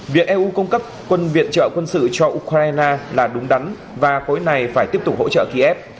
việc eu cung cấp quân viện trợ quân sự cho ukraine là đúng đắn và khối này phải tiếp tục hỗ trợ kiev